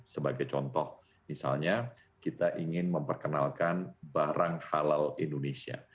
sebagai contoh misalnya kita ingin memperkenalkan barang halal indonesia